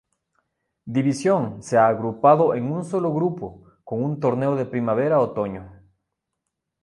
Division se ha agrupado en un solo grupo con un torneo de primavera-otoño.